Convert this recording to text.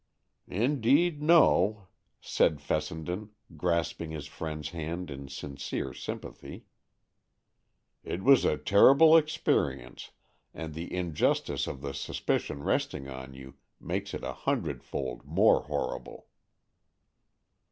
"Indeed, no," said Fessenden, grasping his friend's hand in sincere sympathy. "It was a terrible experience, and the injustice of the suspicion resting on you makes it a hundredfold more horrible."